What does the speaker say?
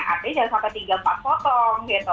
artinya jangan sampai tiga empat potong gitu